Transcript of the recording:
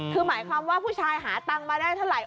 คือหมายความว่าผู้ชายหาตังค์มาได้เท่าไหร